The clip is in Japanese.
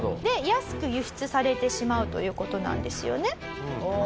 で安く輸出されてしまうという事なんですよね？